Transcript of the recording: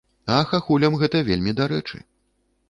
А хахулям гэта вельмі дарэчы.